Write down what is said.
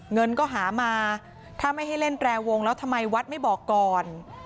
เงินก็หามาถ้าไม่ให้เล่นแรวงแล้วทำไมวัดไม่บอกก่อน